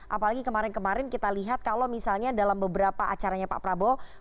apalagi kemarin kemarin kita lihat kalau misalnya dalam beberapa acaranya pak prabowo